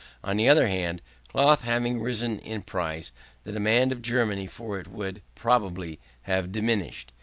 On the other hand, cloth having risen in price, the demand of Germany for it would, probably, have diminished.